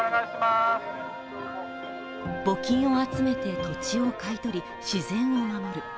募金を集めて土地を買い取り、自然を守る。